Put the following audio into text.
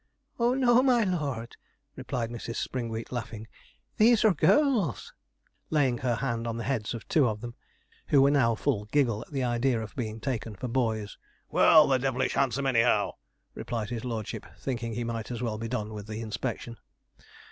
'No, my lord,' replied Mrs. Springwheat, laughing, 'these are girls,' laying her hand on the heads of two of them, who were now full giggle at the idea of being taken for boys. 'Well, they're devilish handsome, anyhow,' replied his lordship, thinking he might as well be done with the inspection.